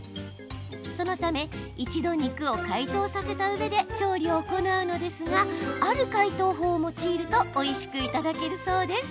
そのため、一度肉を解凍させたうえで調理を行うのですがある解凍法を用いるとおいしくいただけるそうです。